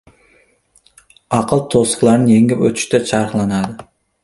Aql to‘siqlarni yengib o‘tishda charxlanadi.